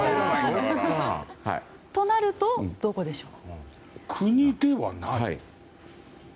となると、どこでしょう。